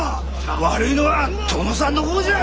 悪いのは殿さんの方じゃ！